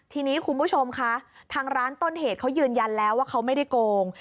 ทีนี้คุณผู้ชมคะทางร้านต้นเหตุเขายืนยันแล้วว่าเขาไม่ได้โกง